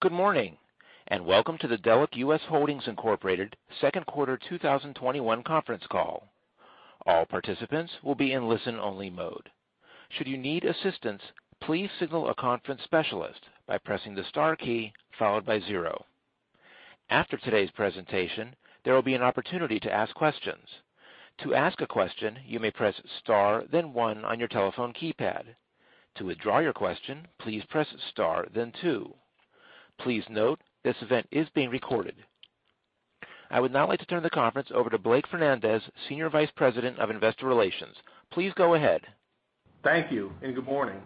Good morning, and welcome to the Delek US Holdings, Incorporated Second Quarter 2021 Conference Call. All participants will be in listen-only mode. Should you need assistance, please signal a conference specialist by pressing the star key, followed by zero. After today's presentation, there will be an opportunity to ask questions. To ask a question, you may press star, then one, on your telephone keypad. To withdraw your question, please press star, then two. Please note this event is being recorded. I would now like to turn the conference over to Blake Fernandez, Senior Vice President of Investor Relations. Please go ahead. Thank you, and good morning.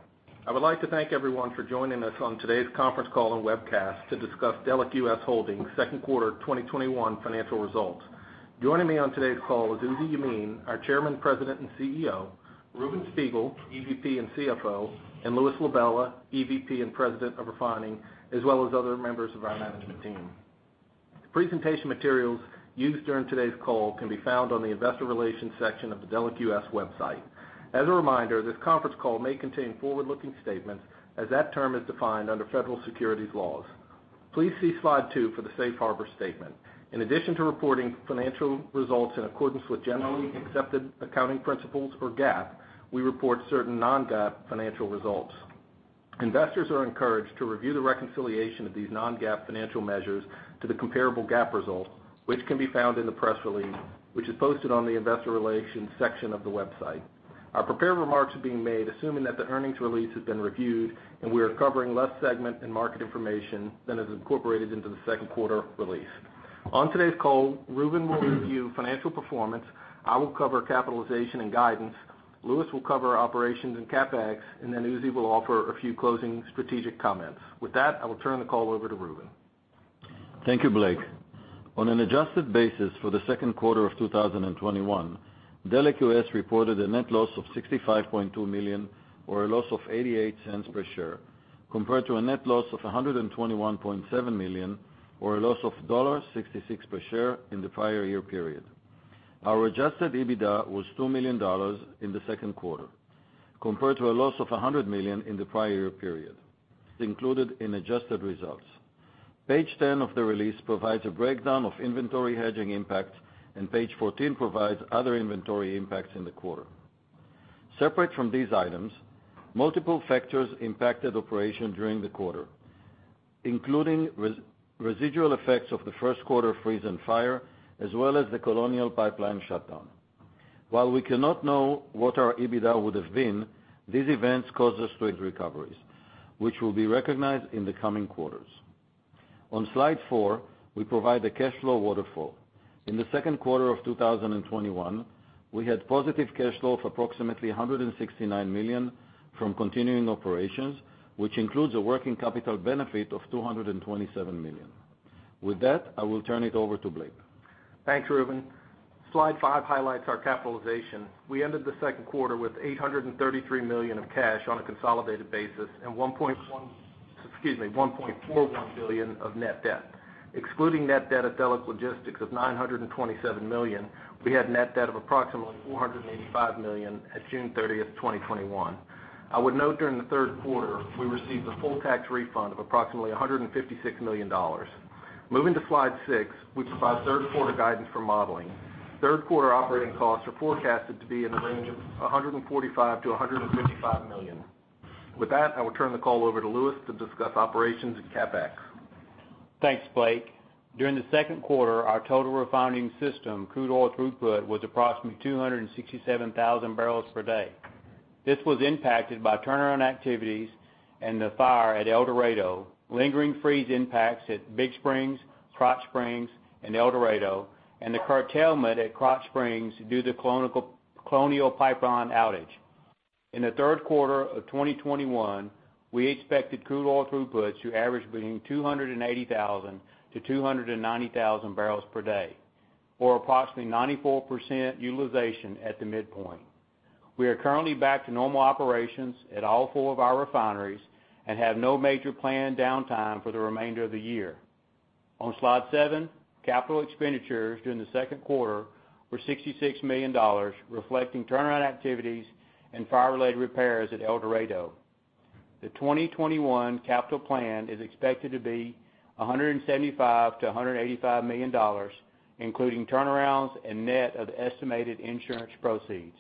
I would like to thank everyone for joining us on today's conference call and webcast to discuss Delek US Holdings' second quarter 2021 financial results. Joining me on today's call is Uzi Yemin, our Chairman, President, and CEO, Reuven Spiegel, EVP and CFO, and Louis LaBella, EVP and President of Refining, as well as other members of our management team. Presentation materials used during today's call can be found on the investor relations section of the Delek US website. As a reminder, this conference call may contain forward-looking statements as that term is defined under federal securities laws. Please see slide two for the safe harbor statement. In addition to reporting financial results in accordance with generally accepted accounting principles or GAAP, we report certain non-GAAP financial results. Investors are encouraged to review the reconciliation of these non-GAAP financial measures to the comparable GAAP results, which can be found in the press release, which is posted on the investor relations section of the website. Our prepared remarks are being made assuming that the earnings release has been reviewed and we are covering less segment and market information than is incorporated into the second quarter release. On today's call, Reuven will review financial performance, I will cover capitalization and guidance, Louis will cover operations and CapEx, and then Uzi will offer a few closing strategic comments. With that, I will turn the call over to Reuven. Thank you, Blake. On an adjusted basis for the second quarter of 2021, Delek US reported a net loss of $65.2 million or a loss of $0.88 per share, compared to a net loss of $121.7 million or a loss of $1.66 per share in the prior year period. Our adjusted EBITDA was $2 million in the second quarter, compared to a loss of $100 million in the prior year period. It's included in adjusted results. Page 10 of the release provides a breakdown of inventory hedging impacts. Page 14 provides other inventory impacts in the quarter. Separate from these items, multiple factors impacted operation during the quarter, including residual effects of the first quarter freeze and fire, as well as the Colonial Pipeline shutdown. While we cannot know what our EBITDA would have been, these events caused us to hit recoveries, which will be recognized in the coming quarters. On slide four, we provide the cash flow waterfall. In the second quarter of 2021, we had positive cash flow of approximately $169 million from continuing operations, which includes a working capital benefit of $227 million. With that, I will turn it over to Blake. Thanks, Reuven. Slide five highlights our capitalization. We ended the second quarter with $833 million of cash on a consolidated basis and $1.41 billion of net debt. Excluding net debt at Delek Logistics of $927 million, we had net debt of approximately $485 million at June 30th, 2021. I would note during the third quarter, we received a full tax refund of approximately $156 million. Moving to slide six, we provide third quarter guidance for modeling. Third quarter operating costs are forecasted to be in the range of $145 million-$155 million. With that, I will turn the call over to Louis to discuss operations and CapEx. Thanks, Blake. During the second quarter, our total refining system crude oil throughput was approximately 267,000 barrels per day. This was impacted by turnaround activities and the fire at El Dorado, lingering freeze impacts at Big Spring, Krotz Springs, and El Dorado, and the curtailment at Krotz Springs due to Colonial Pipeline outage. In the third quarter of 2021, we expected crude oil throughput to average between 280,000-290,000 barrels per day, or approximately 94% utilization at the midpoint. We are currently back to normal operations at all four of our refineries and have no major planned downtime for the remainder of the year. On slide seven, capital expenditures during the second quarter were $66 million, reflecting turnaround activities and fire-related repairs at El Dorado. The 2021 capital plan is expected to be $175 million-$185 million, including turnarounds and net of estimated insurance proceeds.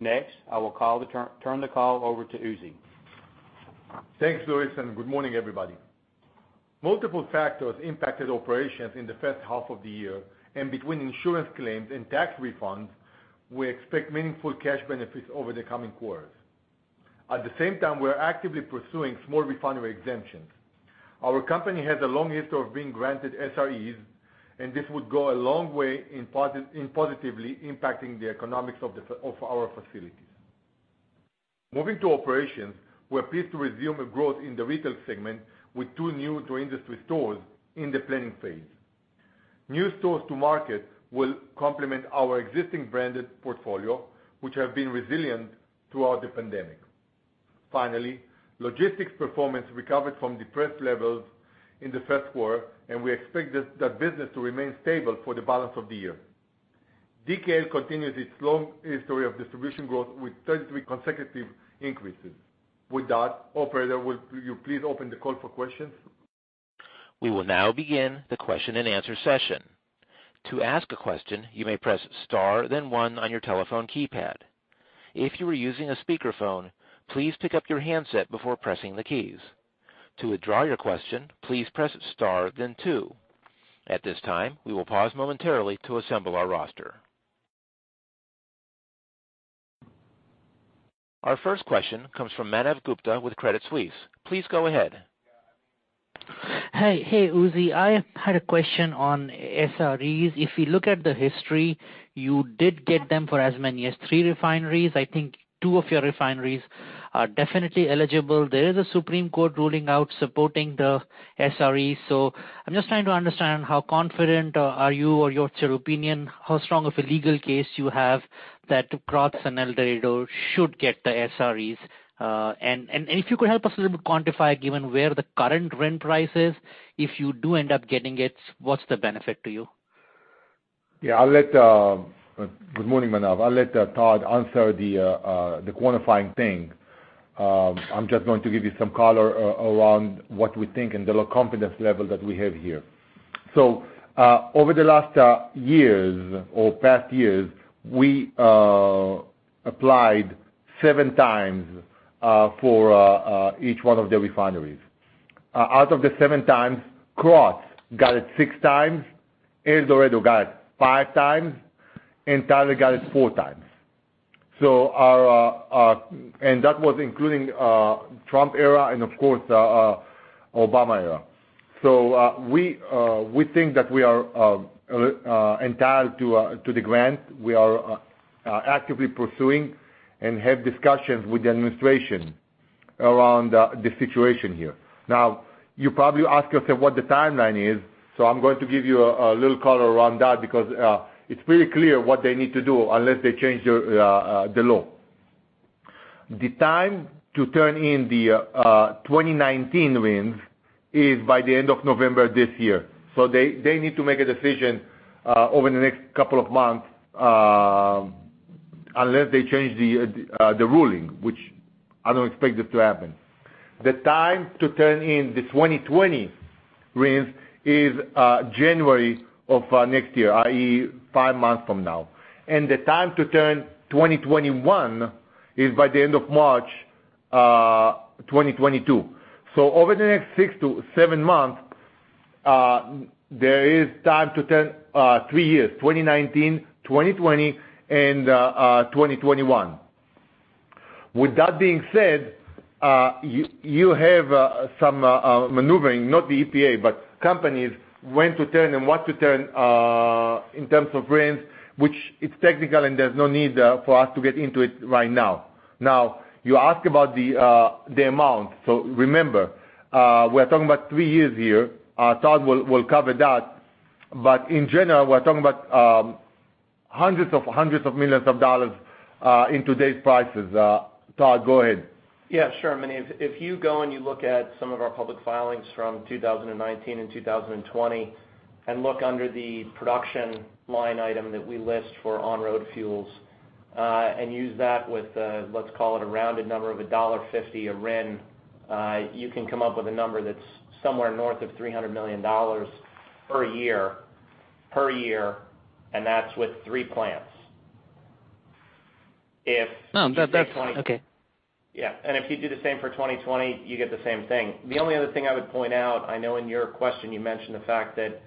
Next, I will turn the call over to Uzi. Thanks, Louis, and good morning, everybody. Multiple factors impacted operations in the first half of the year, and between insurance claims and tax refunds, we expect meaningful cash benefits over the coming quarters. At the same time, we are actively pursuing Small Refinery Exemptions. Our company has a long history of being granted SREs, and this would go a long way in positively impacting the economics of our facilities. Moving to operations, we are pleased to resume growth in the retail segment with two new to industry stores in the planning phase. New stores to market will complement our existing branded portfolio, which have been resilient throughout the pandemic. Finally, logistics performance recovered from depressed levels in the first quarter, and we expect that business to remain stable for the balance of the year. DKL continues its long history of distribution growth with 33 consecutive increases. With that, operator, would you please open the call for questions? We will now begin the question and answer session. To ask a question, you may press star then one on your telephone keypad. If you are using a speakerphone, please pick up your handset before pressing the keys. To withdraw your question, please press star then two. At this time, we will pause momentarily to assemble our roster. Our first question comes from Manav Gupta with Credit Suisse. Please go ahead. Hey, Uzi. I had a question on SREs. If you look at the history, you did get them for as many as three refineries. I think two of your refineries are definitely eligible. There is a Supreme Court ruling out supporting the SRE. I'm just trying to understand how confident are you or what's your opinion, how strong of a legal case you have that Krotz Springs and El Dorado should get the SREs. If you could help us a little bit quantify, given where the current RIN price is, if you do end up getting it, what's the benefit to you? Good morning, Manav. I'll let Todd answer the quantifying thing. I'm just going to give you some color around what we think and the confidence level that we have here. Over the last years or past years, we applied 7x for each one of the refineries. Out of the 7x, Krotz Springs got it 6x, El Dorado got it 5x, and Tyler got it 4x. That was including Trump era and of course, Obama era. We think that we are entitled to the grant. We are actively pursuing and have discussions with the administration around the situation here. You probably ask yourself what the timeline is. I'm going to give you a little color around that because it's pretty clear what they need to do unless they change the law. The time to turn in the 2019 RINs is by the end of November this year. They need to make a decision over the next couple of months, unless they change the ruling, which I don't expect it to happen. The time to turn in the 2020 RINs is January of next year, i.e., five months from now. The time to turn 2021 is by the end of March 2022. Over the next six to seven months, there is time to turn three years, 2019, 2020, and 2021. With that being said, you have some maneuvering, not the EPA, but companies, when to turn and what to turn, in terms of RINs, which it's technical, and there's no need for us to get into it right now. You ask about the amount. Remember, we're talking about three years here. Todd will cover that. In general, we're talking about hundreds of millions of dollars in today's prices. Todd, go ahead. Yeah, sure, Manav. If you go and you look at some of our public filings from 2019 and 2020, and look under the production line item that we list for on-road fuels, and use that with, let's call it a rounded number of $1.50 a RIN, you can come up with a number that's somewhere north of $300 million per year. That's with three plants. No. That's okay. Yeah. If you do the same for 2020, you get the same thing. The only other thing I would point out, I know in your question you mentioned the fact that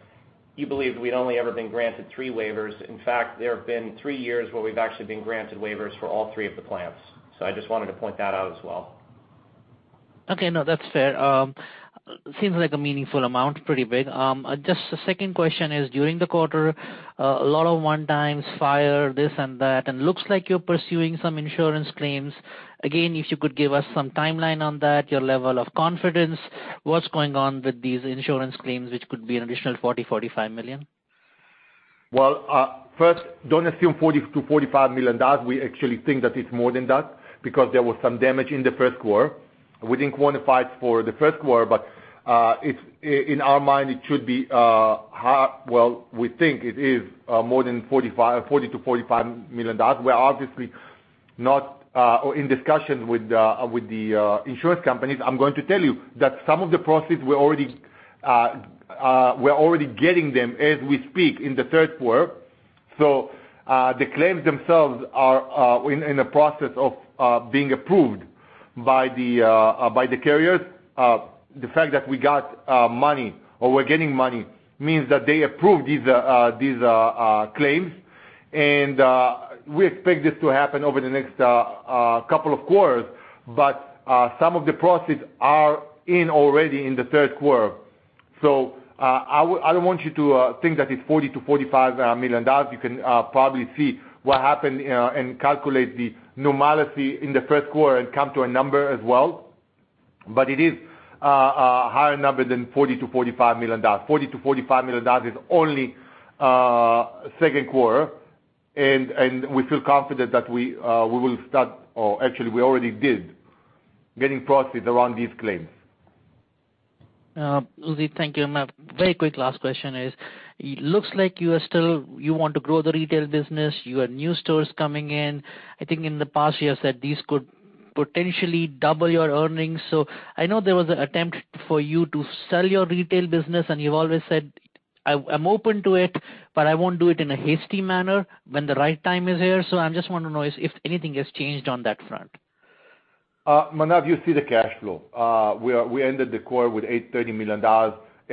you believed we'd only ever been granted three waivers. In fact, there have been three years where we've actually been granted waivers for all three of the plants. I just wanted to point that out as well. Okay. No, that's fair. Seems like a meaningful amount. Pretty big. Just a second question is, during the quarter, a lot of 1x fire, this and that, looks like you're pursuing some insurance claims. Again, if you could give us some timeline on that, your level of confidence, what's going on with these insurance claims, which could be an additional $40 million-$45 million? Well, first, don't assume $40 million-$45 million. We actually think that it's more than that because there was some damage in the first quarter. We didn't quantify it for the first quarter, in our mind, well, we think it is more than $40 million-$45 million. We're obviously in discussions with the insurance companies. I'm going to tell you that some of the proceeds, we're already getting them as we speak in the third quarter. The claims themselves are in the process of being approved by the carriers. The fact that we got money or we're getting money means that they approved these claims. We expect this to happen over the next couple of quarters. Some of the proceeds are in already in the third quarter. I don't want you to think that it's $40 million-$45 million. You can probably see what happened and calculate the normality in the first quarter and come to a number as well. It is a higher number than $40 million-$45 million. $40 million-$45 million is only second quarter. We feel confident that actually, we already did, getting proceeds around these claims. Uzi, thank you. My very quick last question is, it looks like you want to grow the retail business. You have new stores coming in. I think in the past you have said these could potentially double your earnings. I know there was an attempt for you to sell your retail business, and you've always said, "I'm open to it, but I won't do it in a hasty manner when the right time is here." I just want to know if anything has changed on that front. Manav, you see the cash flow. We ended the quarter with $830 million.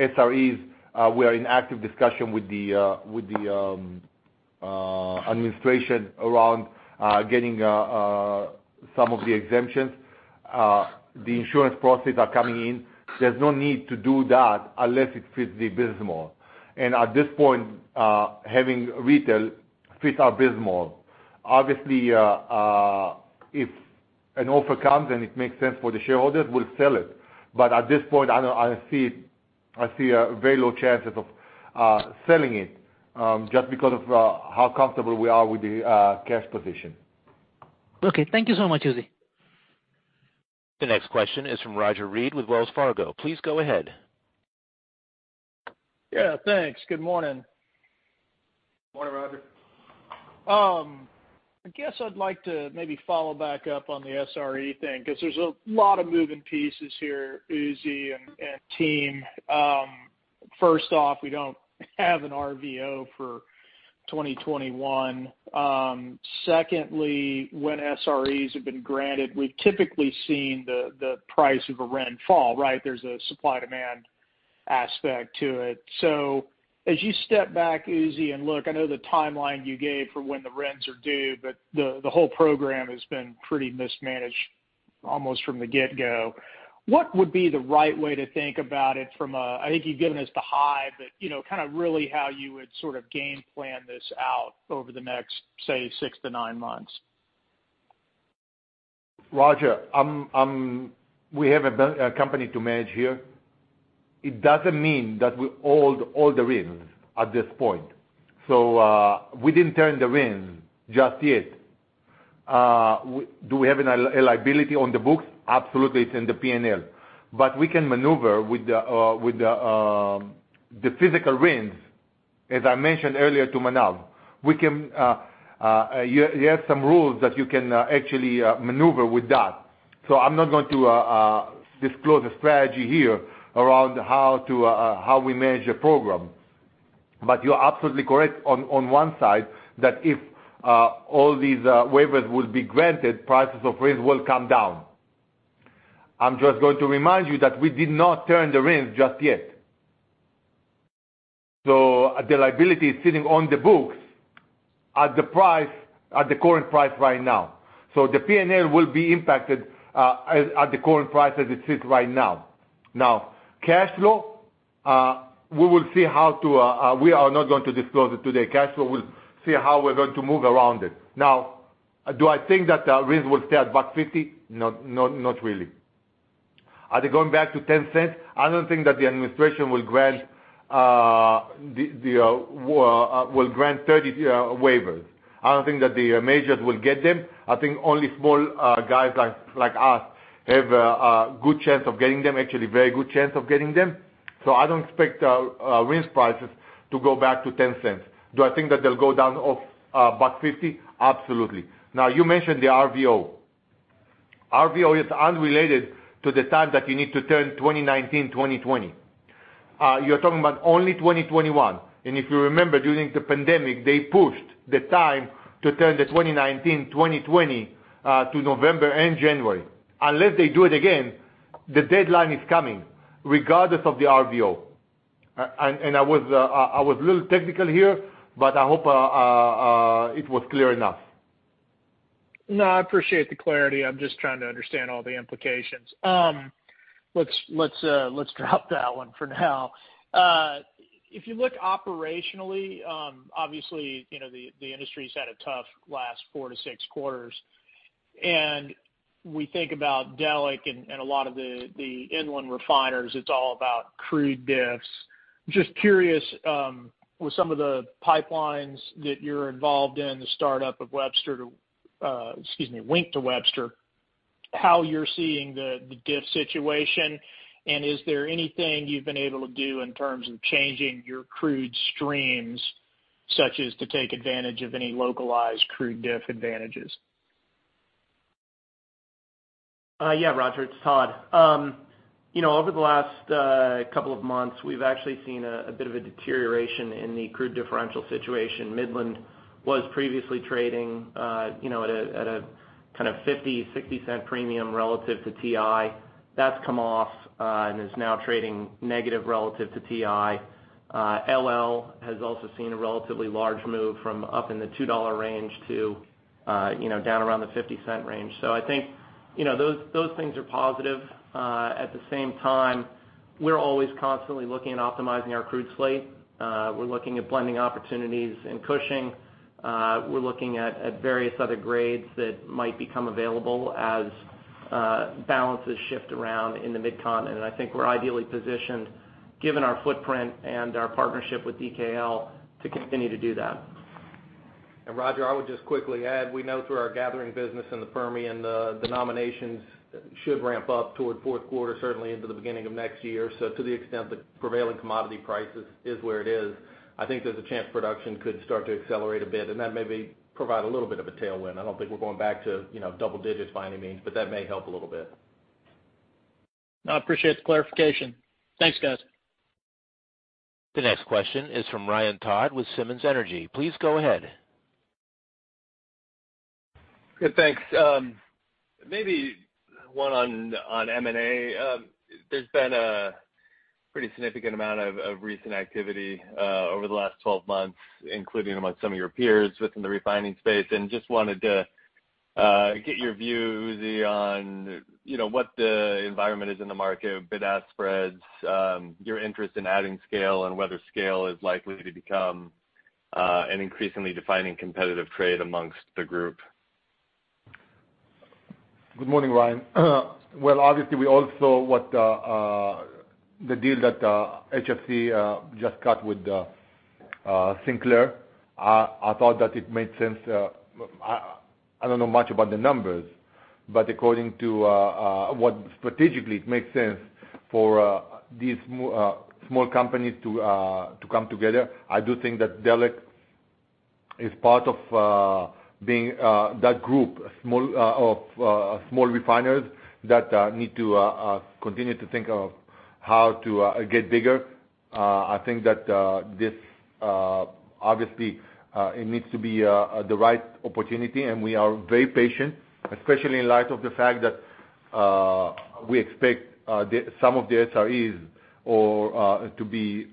SREs, we are in active discussion with the administration around getting some of the exemptions. The insurance proceeds are coming in. There's no need to do that unless it fits the business model. At this point, having retail fits our business model. Obviously, if an offer comes and it makes sense for the shareholders, we'll sell it. At this point, I see very low chances of selling it, just because of how comfortable we are with the cash position. Okay. Thank you so much, Uzi. The next question is from Roger Read with Wells Fargo. Please go ahead. Yeah, thanks. Good morning. Morning, Roger. I guess I'd like to maybe follow back up on the SRE thing, because there's a lot of moving pieces here, Uzi and team. First off, we don't have an RVO for 2021. Secondly, when SREs have been granted, we've typically seen the price of a RIN fall, right? There's a supply-demand aspect to it. As you step back, Uzi, and look, I know the timeline you gave for when the RINs are due, but the whole program has been pretty mismanaged almost from the get-go. What would be the right way to think about it from I think you've given us the high, but kind of really how you would sort of game plan this out over the next, say, six to nine months? Roger, we have a company to manage here. It doesn't mean that we hold all the RINs at this point. We didn't turn the RINs just yet. Do we have a liability on the books? Absolutely. It's in the P&L. We can maneuver with the physical RINs. As I mentioned earlier to Manav, you have some rules that you can actually maneuver with that. I'm not going to disclose a strategy here around how we manage the program. You're absolutely correct on one side that if all these waivers will be granted, prices of RINs will come down. I'm just going to remind you that we did not turn the RINs just yet. The liability is sitting on the books at the current price right now. The P&L will be impacted at the current price as it sits right now. Cash flow, we are not going to disclose it today. Cash flow, we'll see how we're going to move around it. Do I think that the RINs will stay at $1.50? No, not really. Are they going back to $0.10? I don't think that the administration will grant 30 waivers. I don't think that the majors will get them. I think only small guys like us have a good chance of getting them, actually a very good chance of getting them. I don't expect RINs prices to go back to $0.10. Do I think that they'll go down off $1.50? Absolutely. You mentioned the RVO. RVO is unrelated to the time that you need to turn 2019, 2020. You're talking about only 2021. If you remember, during the pandemic, they pushed the time to turn the 2019, 2020 to November and January. Unless they do it again, the deadline is coming regardless of the RVO. I was a little technical here, but I hope it was clear enough. No, I appreciate the clarity. I'm just trying to understand all the implications. Let's drop that one for now. If you look operationally, obviously, the industry's had a tough last four to six quarters. We think about Delek and a lot of the inland refiners, it's all about crude diffs. I'm just curious, with some of the pipelines that you're involved in, the startup of Wink to Webster, how you're seeing the diff situation, and is there anything you've been able to do in terms of changing your crude streams, such as to take advantage of any localized crude diff advantages? Yeah, Roger, it's Todd. Over the last couple of months, we've actually seen a bit of a deterioration in the crude differential situation. Midland was previously trading at a kind of $0.50-$0.60 premium relative to WTI. That's come off and is now trading negative relative to WTI. LLS has also seen a relatively large move from up in the $2 range to down around the $0.50 range. I think those things are positive. At the same time, we're always constantly looking at optimizing our crude slate. We're looking at blending opportunities in Cushing. We're looking at various other grades that might become available as balances shift around in the mid-continent. I think we're ideally positioned, given our footprint and our partnership with DKL, to continue to do that. Roger, I would just quickly add, we know through our gathering business in the Permian, the nominations should ramp up toward fourth quarter, certainly into the beginning of next year. To the extent the prevailing commodity prices is where it is, I think there's a chance production could start to accelerate a bit, and that maybe provide a little bit of a tailwind. I don't think we're going back to double digits by any means, but that may help a little bit. No, I appreciate the clarification. Thanks, guys. The next question is from Ryan Todd with Simmons Energy. Please go ahead. Good, thanks. Maybe one on M&A. There's been a pretty significant amount of recent activity over the last 12 months, including amongst some of your peers within the refining space. Just wanted to get your view, Uzi, on what the environment is in the market, bid-ask spreads, your interest in adding scale, and whether scale is likely to become an increasingly defining competitive trait amongst the group. Good morning, Ryan. Well, obviously, we all saw the deal that HFC just cut with Sinclair. I thought that it made sense. I don't know much about the numbers. According to what strategically it makes sense for these small companies to come together. I do think that Delek is part of being that group of small refiners that need to continue to think of how to get bigger. I think that this obviously, it needs to be the right opportunity. We are very patient, especially in light of the fact that we expect some of the SREs to be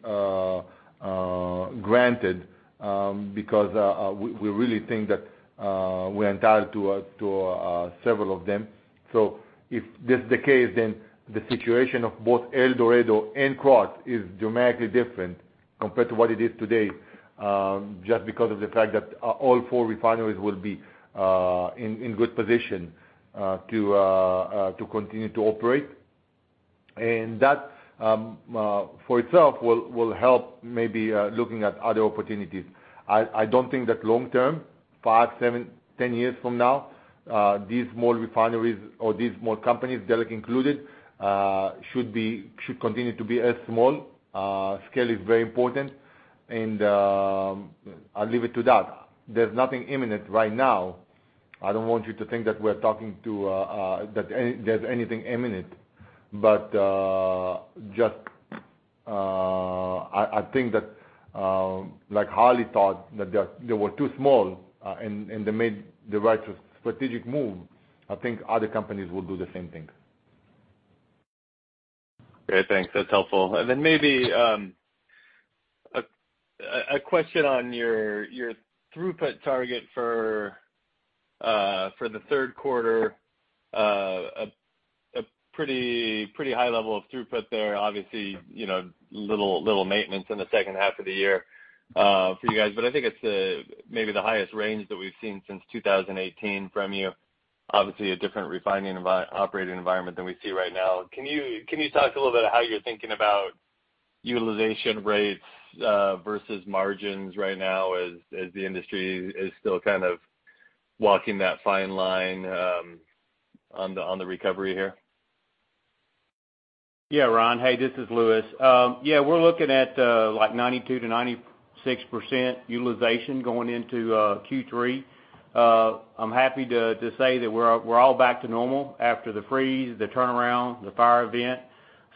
granted, because we really think that we're entitled to several of them. If this is the case, then the situation of both El Dorado and Krotz Springs is dramatically different compared to what it is today, just because of the fact that all four refineries will be in good position to continue to operate. That, for itself, will help maybe looking at other opportunities. I don't think that long term, five, seven, 10 years from now, these small refineries or these small companies, Delek included, should continue to be as small. Scale is very important, and I'll leave it to that. There's nothing imminent right now. I don't want you to think that there's anything imminent, just I think that like Holly thought that they were too small, and they made the right strategic move. I think other companies will do the same thing. Great. Thanks. That's helpful. Maybe a question on your throughput target for the third quarter. A pretty high level of throughput there. Obviously, little maintenance in the second half of the year for you guys. I think it's maybe the highest range that we've seen since 2018 from you. Obviously, a different refining operating environment than we see right now. Can you talk a little bit of how you're thinking about utilization rates versus margins right now as the industry is still kind of walking that fine line on the recovery here? Ryan. Hey, this is Louis. We're looking at 92%-96% utilization going into Q3. I'm happy to say that we're all back to normal after the freeze, the turnaround, the fire event.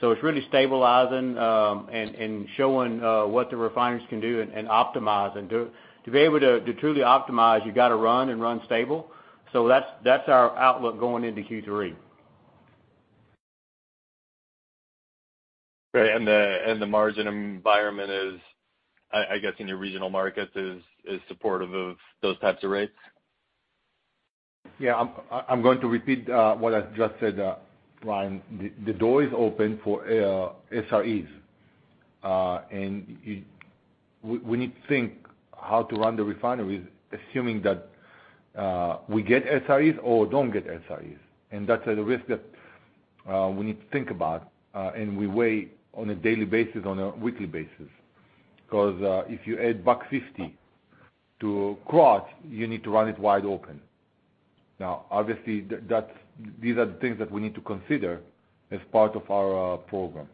It's really stabilizing and showing what the refineries can do and optimizing. To be able to truly optimize, you got to run and run stable. That's our outlook going into Q3. Great. The margin environment is, I guess, in your regional markets, is supportive of those types of rates? Yeah. I'm going to repeat what I just said, Ryan. The door is open for SREs. We need to think how to run the refineries, assuming that we get SREs or don't get SREs. That's a risk that we need to think about, and we weigh on a daily basis, on a weekly basis. If you add $1.50 to Krotz, you need to run it wide open. Obviously, these are the things that we need to consider as part of our program.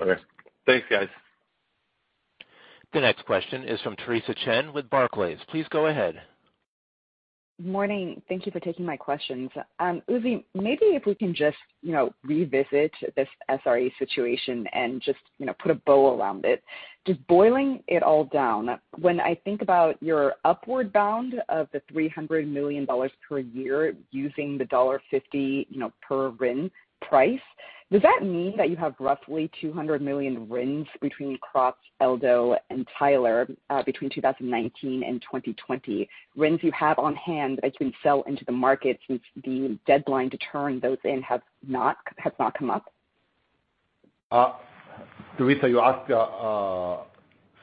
Okay. Thanks, guys. The next question is from Theresa Chen with Barclays. Please go ahead. Morning. Thank you for taking my questions. Uzi, maybe if we can just revisit this SRE situation and just put a bow around it. Just boiling it all down, when I think about your upward bound of the $300 million per year using the $1.50 per RIN price, does that mean that you have roughly 200 million RINs between Krotz, Eldo, and Tyler between 2019 and 2020? RINs you have on hand that can sell into the market since the deadline to turn those in has not come up? Theresa, you asked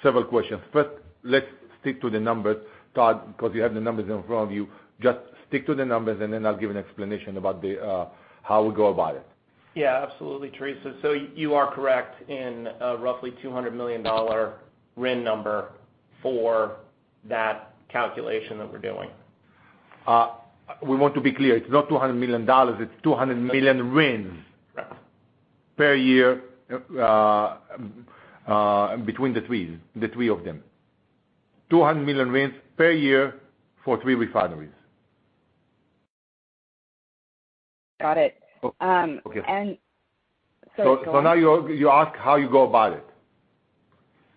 several questions. First, let's stick to the numbers, Todd, because you have the numbers in front of you. Just stick to the numbers, and then I'll give an explanation about how we go about it. Yeah, absolutely, Theresa. You are correct in a roughly $200 million RIN number for that calculation that we're doing. We want to be clear, it's not $200 million, it's 200 million RINs. Right. Per year between the three of them. 200 million RINs per year for three refineries. Got it. Okay. Sorry, go on. Now you ask how you go about it.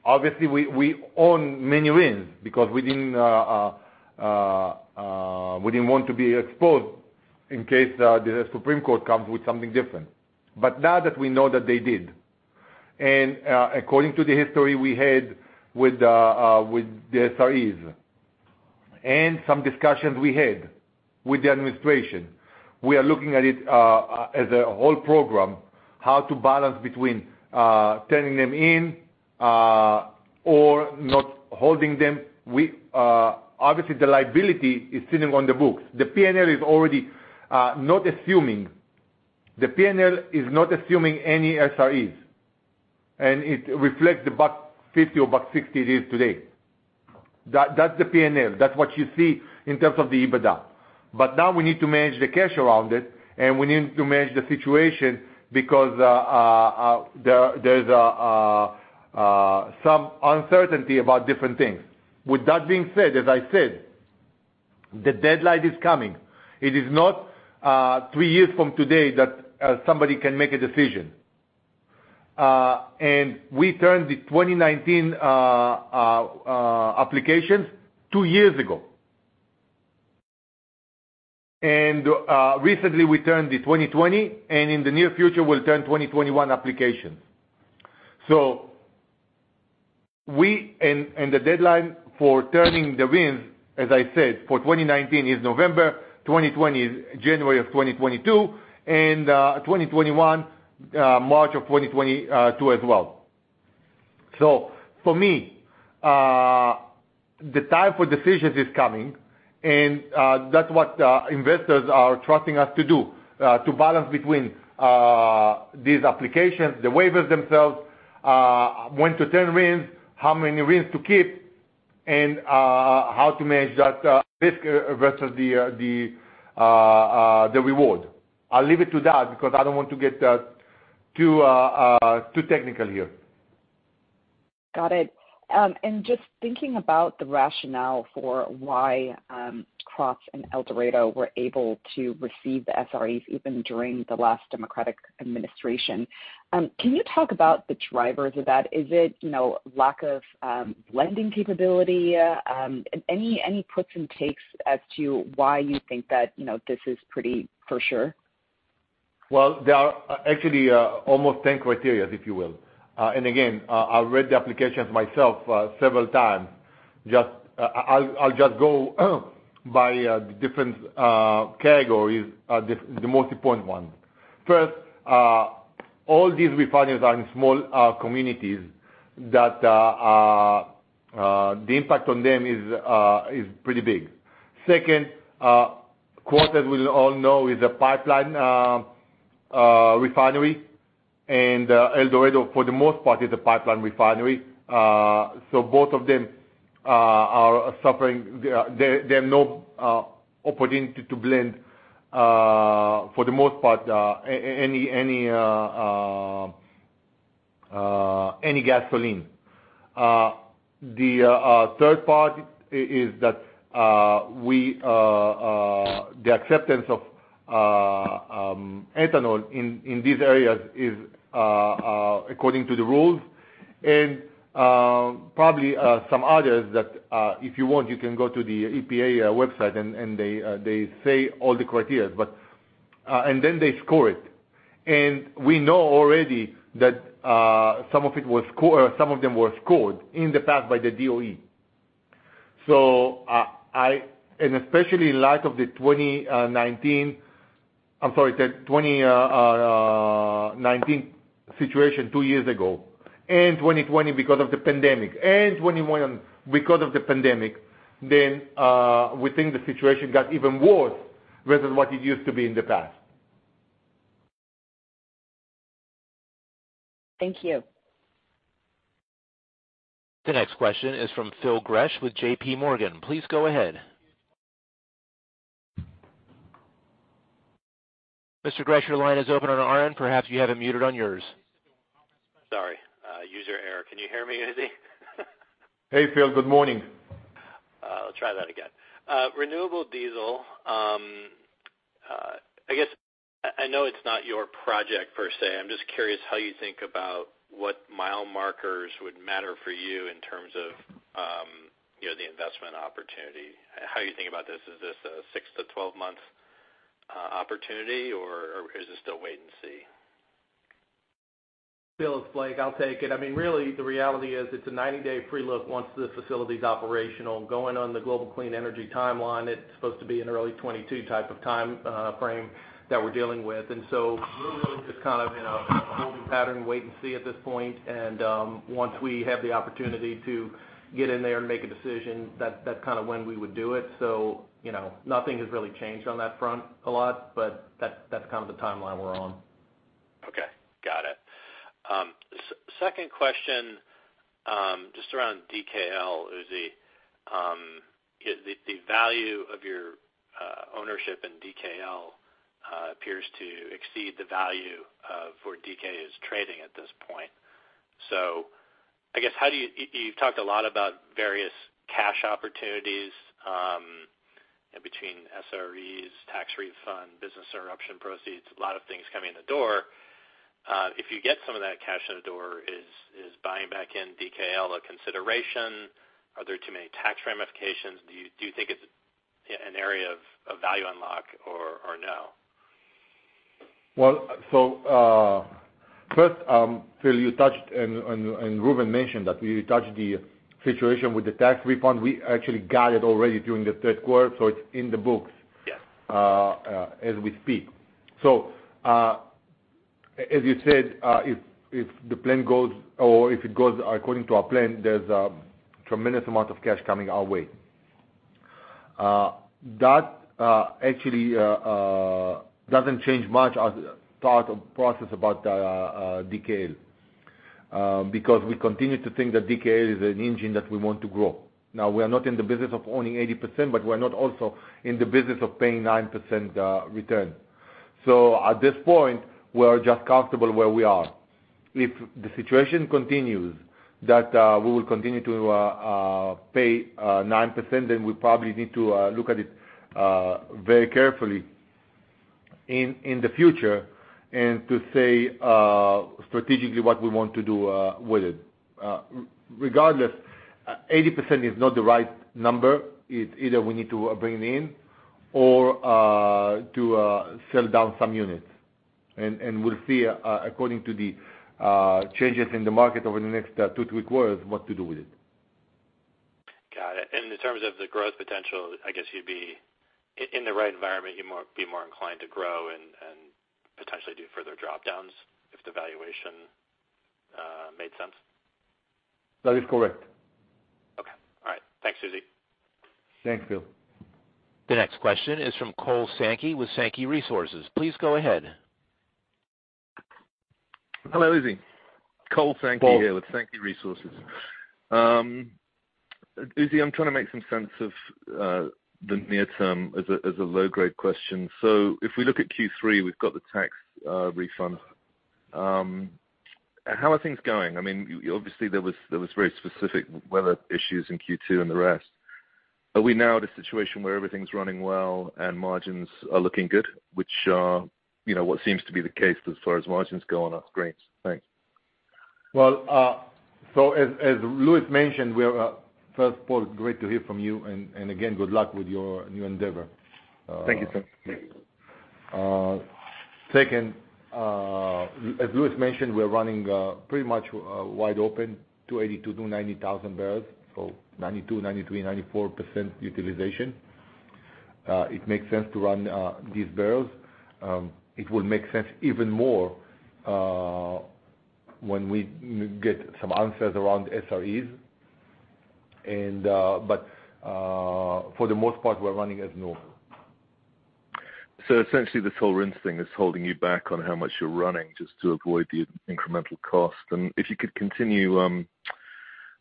Obviously, we own many RINs because we didn't want to be exposed in case the Supreme Court comes with something different. Now that we know that they did, and according to the history we had with the SREs, and some discussions we had with the administration. We are looking at it as a whole program, how to balance between turning them in or not holding them. Obviously, the liability is sitting on the books. The P&L is already not assuming any SREs, and it reflects the $1.50 or $1.60 it is today. That's the P&L. That's what you see in terms of the EBITDA. Now we need to manage the cash around it, and we need to manage the situation because there's some uncertainty about different things. With that being said, as I said, the deadline is coming. It is not three years from today that somebody can make a decision. We turned the 2019 applications two years ago. Recently we turned the 2020, and in the near future, we'll turn 2021 applications. The deadline for turning the RINs, as I said, for 2019 is November, 2020 is January of 2022, and 2021, March of 2022 as well. For me, the time for decisions is coming, and that's what investors are trusting us to do. To balance between these applications, the waivers themselves, when to turn RINs, how many RINs to keep, and how to manage that risk versus the reward. I'll leave it to that because I don't want to get too technical here. Got it. Just thinking about the rationale for why Krotz and El Dorado were able to receive the SREs even during the last Democratic administration. Can you talk about the drivers of that? Is it lack of lending capability? Any puts and takes as to why you think that this is pretty for sure? Well, there are actually almost 10 criteria, if you will. Again, I read the applications myself several times. I'll just go by the different categories, the [multipoint one]. First, all these refineries are in small communities that the impact on them is pretty big. Second, Krotz Springs we all know is a pipeline refinery, and El Dorado, for the most part, is a pipeline refinery. Both of them are suffering. There are no opportunities to blend, for the most part, any gasoline. The third part is that the acceptance of ethanol in these areas is according to the rules, and probably some others that, if you want, you can go to the EPA website, and they say all the criteria. Then they score it. We know already that some of them were scored in the past by the DOE. Especially in light of the 2019 situation two years ago, and 2020 because of the pandemic, and 2021 because of the pandemic, then we think the situation got even worse versus what it used to be in the past. Thank you. The next question is from Phil Gresh with J.P. Morgan. Please go ahead. Mr. Gresh, your line is open on our end. Perhaps you have it muted on yours. Sorry. User error. Can you hear me, Uzi? Hey, Phil. Good morning. I'll try that again. Renewable diesel. I know it's not your project per se. I'm just curious how you think about what mile markers would matter for you in terms of the investment opportunity. How are you thinking about this? Is this a 6-12 month opportunity, or is it still wait and see? Phil, it's Blake. I'll take it. Really, the reality is it's a 90-day pre-look once the facility's operational. Going on the Global Clean Energy timeline, it's supposed to be an early 2022 type of timeframe that we're dealing with. We're really just kind of [pattern wait and see] at this point. Once we have the opportunity to get in there and make a decision, that's when we would do it. Nothing has really changed on that front a lot, but that's the timeline we're on. Okay. Got it. Second question, just around DKL, Uzi. The value of your ownership in DKL appears to exceed the value for DKL is trading at this point. I guess, you've talked a lot about various cash opportunities, in between SREs, tax refund, business interruption proceeds, a lot of things coming in the door. If you get some of that cash in the door, is buying back in DKL a consideration? Are there too many tax ramifications? Do you think it's an area of value unlock or no? First, Philip, you touched, and Reuven mentioned that we touched the situation with the tax refund. We actually got it already during the third quarter, so it's in the books. Yes. As we speak. As you said, if the plan goes according to our plan, there's a tremendous amount of cash coming our way. That actually doesn't change much as part of process about DKL, because we continue to think that DKL is an engine that we want to grow. We are not in the business of owning 80%, but we're not also in the business of paying 9% return. At this point, we are just comfortable where we are. If the situation continues, that we will continue to pay 9%, then we probably need to look at it very carefully in the future and to say strategically what we want to do with it. Regardless, 80% is not the right number. It's either we need to bring it in or to sell down some units. We'll see, according to the changes in the market over the next two quarters-three quarters, what to do with it. Got it. In terms of the growth potential, I guess in the right environment, you'd be more inclined to grow and potentially do further drop-downs if the valuation made sense. That is correct. Okay. All right. Thanks, Uzi. Thanks, Philip. The next question is from Paul Sankey with Sankey Research. Please go ahead. Hello, Uzi. Paul Sankey here. Paul. With Sankey Research. Uzi, I am trying to make some sense of the near term as a low-grade question. If we look at Q3, we have got the tax refund. How are things going? Obviously, there was very specific weather issues in Q2 and the rest. Are we now at a situation where everything is running well and margins are looking good? What seems to be the case as far as margins go on our grades. Thanks. As Louis mentioned, First of all, great to hear from you, and again, good luck with your new endeavor. Thank you, Sir. Second, as Louis mentioned, we're running pretty much wide open, 280-290,000 barrels. 92%, 93%, 94% utilization. It makes sense to run these barrels. It will make sense even more when we get some answers around SREs. For the most part, we're running as normal. Essentially, this whole RINs thing is holding you back on how much you're running just to avoid the incremental cost. If you could continue,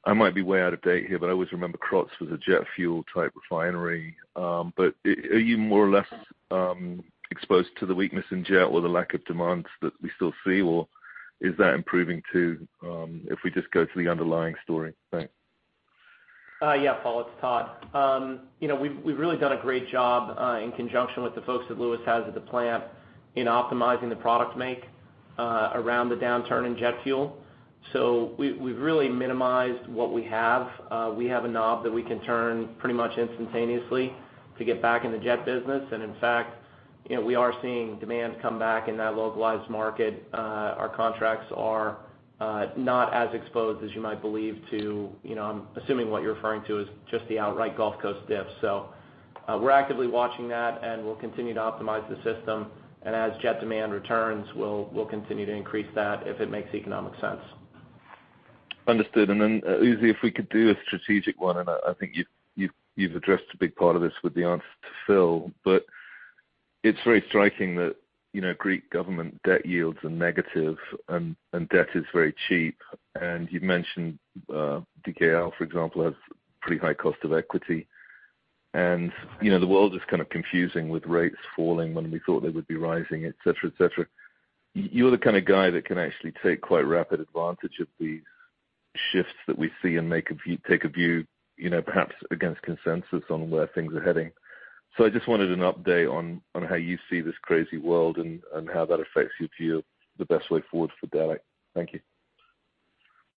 I might be way out of date here, but I always remember Krotz was a jet fuel type refinery. Are you more or less exposed to the weakness in jet or the lack of demand that we still see? Or is that improving too, if we just go to the underlying story? Thanks. Yeah, Paul, it's Todd. We've really done a great job in conjunction with the folks that Louis has at the plant in optimizing the product make around the downturn in jet fuel. We've really minimized what we have. We have a knob that we can turn pretty much instantaneously to get back in the jet business. In fact, we are seeing demand come back in that localized market. Our contracts are not as exposed as you might believe. I'm assuming what you're referring to is just the outright Gulf Coast diff. We're actively watching that, and we'll continue to optimize the system, and as jet demand returns, we'll continue to increase that if it makes economic sense. Understood. Uzi, if we could do a strategic one, I think you've addressed a big part of this with the answer to Phil, but it's very striking that Greek government debt yields are negative and debt is very cheap. You've mentioned DKL, for example, has pretty high cost of equity. The world is kind of confusing with rates falling when we thought they would be rising, et cetera. You're the kind of guy that can actually take quite rapid advantage of these shifts that we see and take a view, perhaps against consensus, on where things are heading. I just wanted an update on how you see this crazy world and how that affects you to the best way forward for Delek. Thank you.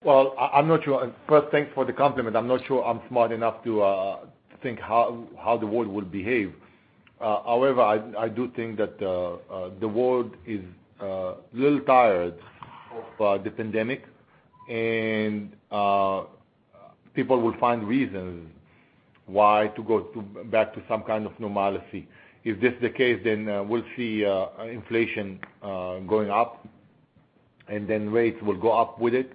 Well, I'm not sure. First, thanks for the compliment. I'm not sure I'm smart enough to think how the world will behave. I do think that the world is a little tired of the pandemic, and people will find reasons why to go back to some kind of normalcy. If this is the case, we'll see inflation going up, then rates will go up with it.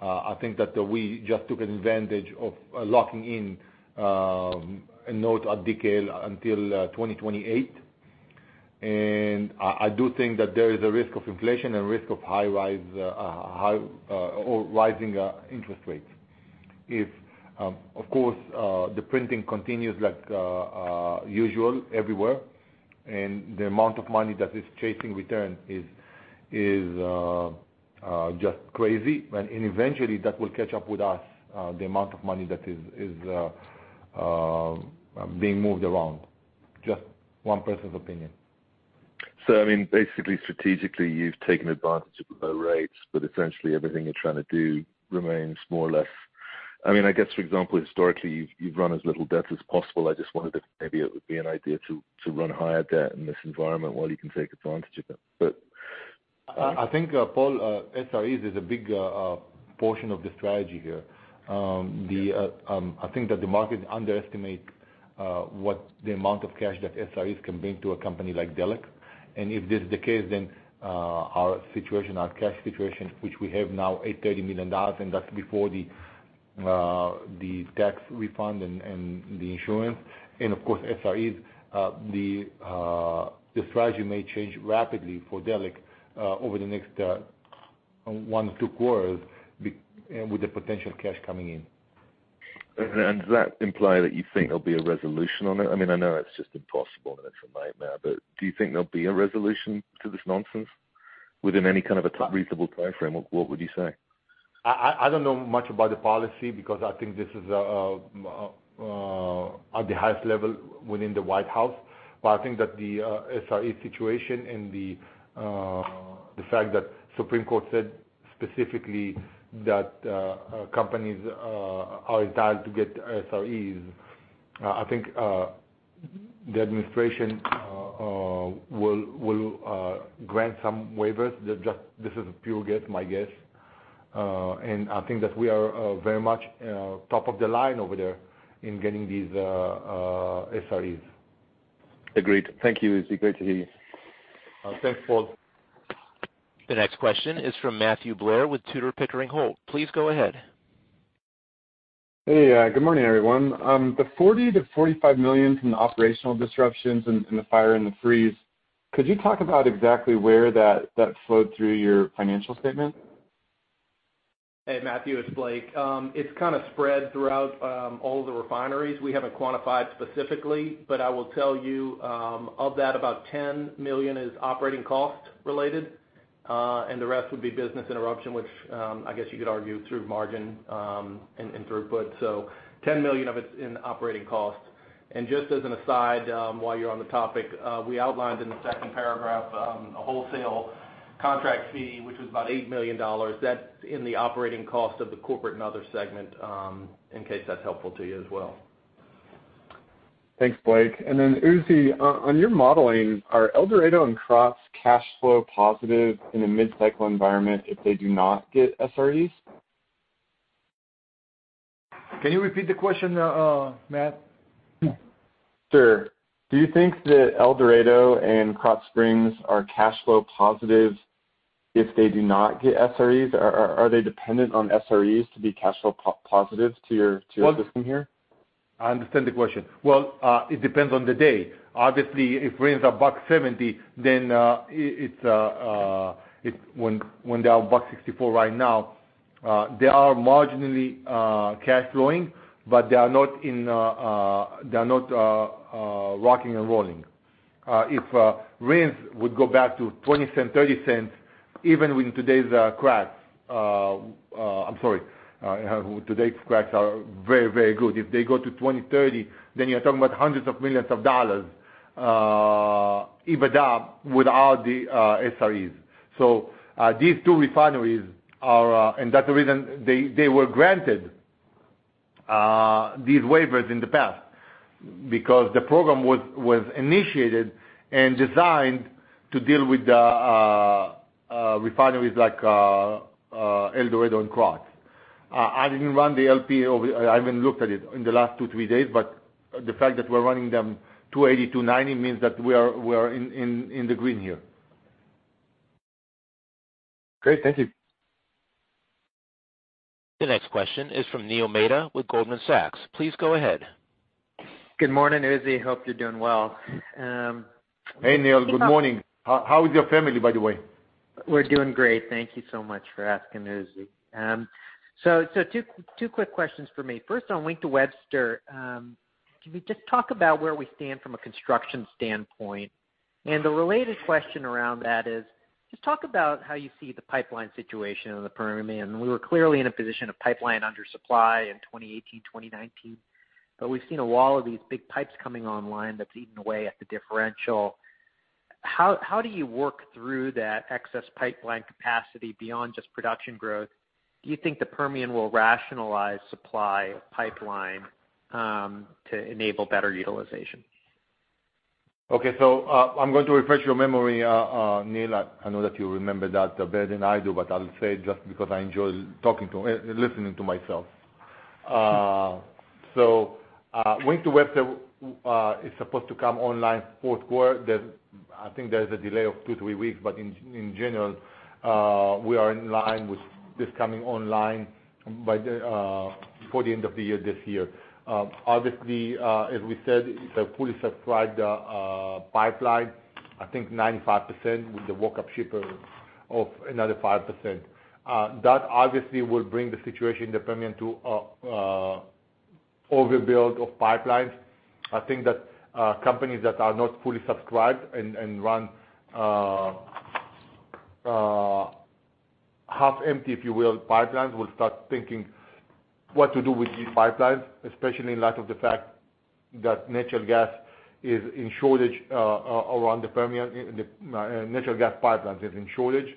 I think that we just took advantage of locking in a note at Delek until 2028. I do think that there is a risk of inflation and risk of rising interest rates. If, of course, the printing continues like usual everywhere, the amount of money that is chasing return is just crazy. Eventually that will catch up with us, the amount of money that is being moved around. Just one person's opinion. Basically, strategically, you've taken advantage of the low rates, but essentially everything you're trying to do remains more or less. I guess, for example, historically, you've run as little debt as possible. I just wondered if maybe it would be an idea to run higher debt in this environment while you can take advantage of it. I think, Paul, SREs is a big portion of the strategy here. I think that the market underestimate what the amount of cash that SREs can bring to a company like Delek. If this is the case, our cash situation, which we have now $830 million, and that's before the tax refund and the insurance. Of course, SREs, the strategy may change rapidly for Delek over the next one or two quarters with the potential cash coming in. Does that imply that you think there'll be a resolution on it? I know that's just impossible and it's a nightmare, but do you think there'll be a resolution to this nonsense within any kind of a reasonable timeframe? What would you say? I don't know much about the policy because I think this is at the highest level within the White House. I think that the SRE situation and the fact that Supreme Court said specifically that companies are entitled to get SREs. I think the administration will grant some waivers. This is a pure guess, my guess. I think that we are very much top of the line over there in getting these SREs. Agreed. Thank you. It's great to hear you. Thanks, Paul. The next question is from Matthew Blair with Tudor, Pickering Holt. Please go ahead. Hey, good morning, everyone. The $40 million-$45 million from the operational disruptions and the fire and the freeze, could you talk about exactly where that flowed through your financial statement? Hey, Matthew, it's Blake. It's kind of spread throughout all of the refineries. We haven't quantified specifically, but I will tell you, of that, about $10 million is operating cost related. The rest would be business interruption, which, I guess you could argue through margin, and throughput. $10 million of it's in operating costs. Just as an aside, while you're on the topic, we outlined in the second paragraph, a wholesale contract fee, which was about $8 million. That's in the operating cost of the corporate and other segment, in case that's helpful to you as well. Thanks, Blake. Uzi, on your modeling, are El Dorado and Krotz cash flow positive in a mid-cycle environment if they do not get SREs? Can you repeat the question, Matt? Sure. Do you think that El Dorado and Krotz Springs are cash flow positive if they do not get SREs? Are they dependent on SREs to be cash flow positive to your system here? I understand the question. It depends on the day. Obviously, if RINs are $1.70, when they are $1.64 right now, they are marginally cash flowing, but they are not rocking and rolling. If RINs would go back to $0.20, $0.30, even with today's cracks, I'm sorry, today's cracks are very, very good. If they go to 20, 30 then you're talking about hundreds of millions of dollars, even up, without the SREs. These two refineries. That's the reason they were granted these waivers in the past. Because the program was initiated and designed to deal with refineries like El Dorado and Krotz. I didn't run the LP over, I haven't looked at it in the last two, three days, but the fact that we're running them 280, 290 means that we are in the green here. Great. Thank you. The next question is from Neil Mehta with Goldman Sachs. Please go ahead. Good morning, Uzi. Hope you're doing well. Hey, Neil. Good morning. How is your family, by the way? We're doing great. Thank you so much for asking, Uzi. Two quick questions for me. First on Wink to Webster. Can we just talk about where we stand from a construction standpoint? The related question around that is, just talk about how you see the pipeline situation in the Permian. We were clearly in a position of pipeline under supply in 2018, 2019, but we've seen a wall of these big pipes coming online that's eaten away at the differential. How do you work through that excess pipeline capacity beyond just production growth? Do you think the Permian will rationalize supply pipeline to enable better utilization? Okay. I'm going to refresh your memory, Neil Mehta. I know that you remember that better than I do, but I'll say it just because I enjoy listening to myself. Wink to Webster is supposed to come online fourth quarter. I think there's a delay of two, three weeks, but in general, we are in line with this coming online by the end of this year. Obviously, as we said, it's a fully subscribed pipeline, I think 95% with the walk-up shipper of another 5%. That obviously will bring the situation in the Permian to overbuild of pipelines. I think that companies that are not fully subscribed and run half empty, if you will, pipelines, will start thinking what to do with these pipelines, especially in light of the fact that natural gas is in shortage around the Permian, the natural gas pipelines is in shortage.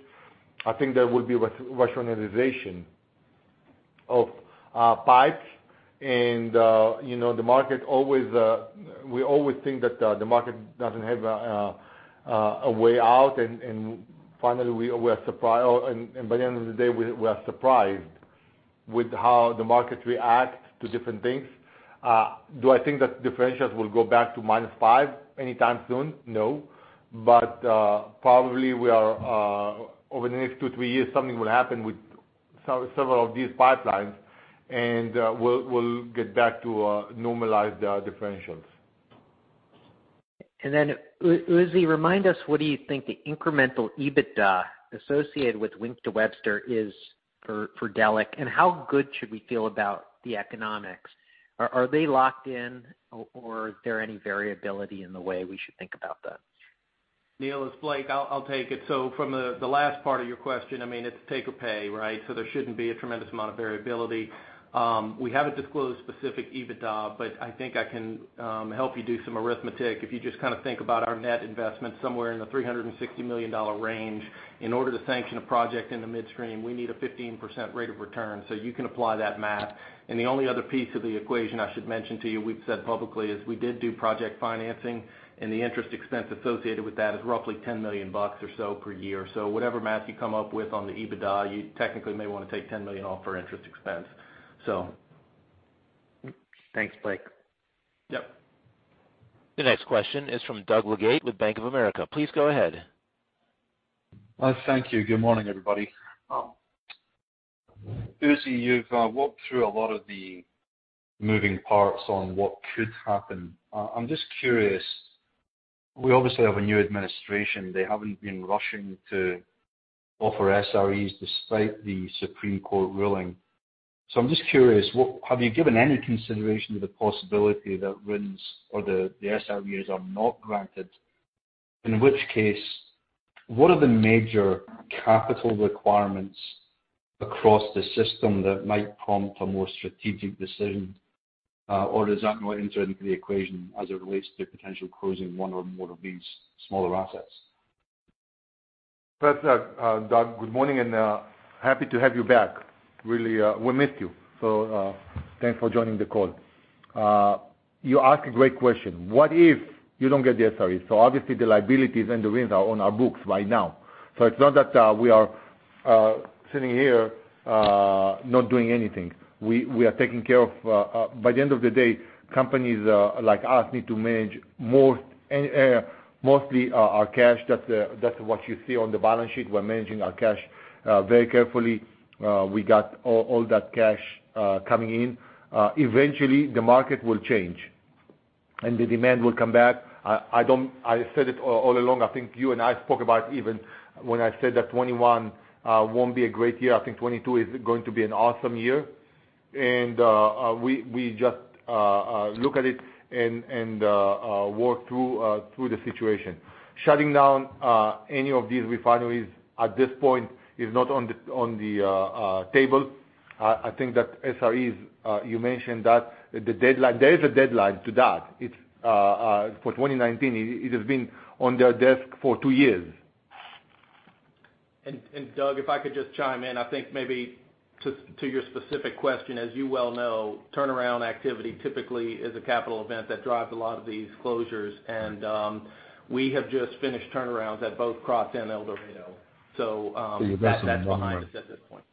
I think there will be rationalization of pipes, and we always think that the market doesn't have a way out, and by the end of the day, we are surprised with how the market reacts to different things. Do I think that differentials will go back to -5 anytime soon? No. Probably over the next two, three years, something will happen with several of these pipelines, and we'll get back to normalized differentials. Uzi, remind us, what do you think the incremental EBITDA associated with Wink to Webster is for Delek, and how good should we feel about the economics? Are they locked in, or is there any variability in the way we should think about that? Neil, it's Blake. I'll take it. From the last part of your question, it's take or pay, right? We haven't disclosed specific EBITDA, but I think I can help you do some arithmetic. If you just think about our net investment somewhere in the $360 million range, in order to sanction a project in the midstream, we need a 15% rate of return. You can apply that math. The only other piece of the equation I should mention to you, we've said publicly, is we did do project financing, and the interest expense associated with that is roughly $10 million or so per year. Whatever math you come up with on the EBITDA, you technically may want to take $10 million off for interest expense. Thanks, Blake. Yep. The next question is from Doug Leggate with Bank of America. Please go ahead. Thank you. Good morning, everybody. Uzi, you've walked through a lot of the moving parts on what could happen. I'm just curious, we obviously have a new administration. They haven't been rushing to offer SREs despite the Supreme Court ruling. I'm just curious, have you given any consideration to the possibility that RINs or the SREs are not granted? In which case, what are the major capital requirements across the system that might prompt a more strategic decision? Does that not enter into the equation as it relates to potential closing one or more of these smaller assets? Doug, good morning, happy to have you back. Really, we missed you. Thanks for joining the call. You ask a great question. What if you don't get the SREs? Obviously the liabilities and the RINs are on our books right now. It's not that we are sitting here not doing anything. By the end of the day, companies like us need to manage mostly our cash. That's what you see on the balance sheet. We're managing our cash very carefully. We got all that cash coming in. Eventually, the market will change, and the demand will come back. I said it all along, I think you and I spoke about even when I said that 2021 won't be a great year. I think 2022 is going to be an awesome year. We just look at it and work through the situation. Shutting down any of these refineries at this point is not on the table. I think that SREs, you mentioned that there is a deadline to that. For 2019, it has been on their desk for two years. Doug, if I could just chime in, I think maybe to your specific question, as you well know, turnaround activity typically is a capital event that drives a lot of these closures. We have just finished turnarounds at both Krotz and El Dorado. That's behind us at this point.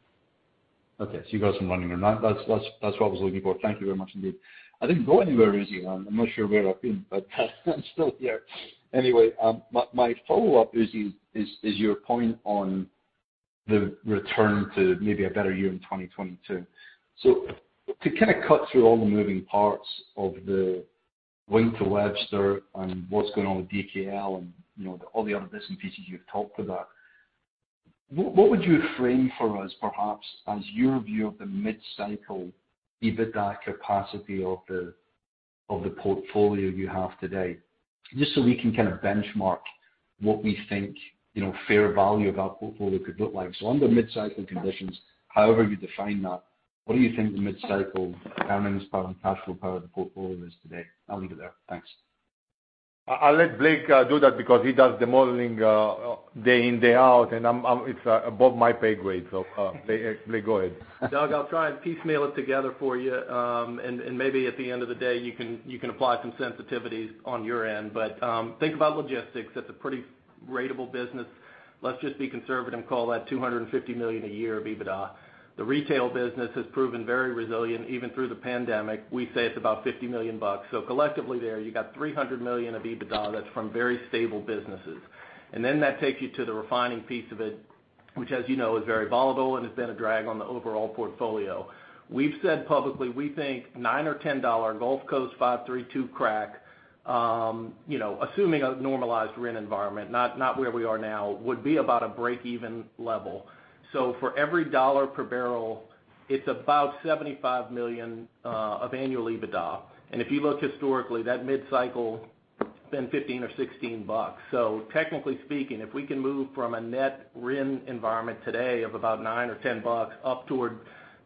Okay, you got some running room. That's what I was looking for. Thank you very much indeed. I didn't go anywhere, Uzi. I'm not sure where I've been, but I'm still here. Anyway, my follow-up, Uzi, is your point on the return to maybe a better year in 2022. To kind of cut through all the moving parts of the Wink to Webster, and what's going on with DKL, and all the other bits and pieces you've talked about, what would you frame for us perhaps as your view of the mid-cycle EBITDA capacity of the portfolio you have today? Just so we can kind of benchmark what we think fair value of our portfolio could look like. Under mid-cycle conditions, however you define that, what do you think the mid-cycle earnings power and cash flow power of the portfolio is today? I'll leave it there. Thanks. I'll let Blake do that because he does the modeling day in, day out, and it's above my pay grade. Blake, go ahead. Doug, I'll try and piecemeal it together for you. Maybe at the end of the day, you can apply some sensitivities on your end. Think about logistics. That's a pretty ratable business. Let's just be conservative and call that $250 million a year of EBITDA. The retail business has proven very resilient even through the pandemic. We say it's about $50 million. Collectively there, you got $300 million of EBITDA that's from very stable businesses. That takes you to the refining piece of it, which as you know, is very volatile and has been a drag on the overall portfolio. We've said publicly we think $9 or $10 Gulf Coast 5-3-2 crack, assuming a normalized RIN environment, not where we are now, would be about a break-even level. For every dollar per barrel, it's about $75 million of annual EBITDA. If you look historically, that mid-cycle has been $15-$16. Technically speaking, if we can move from a net RIN environment today of about $9-$10 up toward